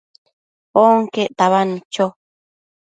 onquec tabadnu cho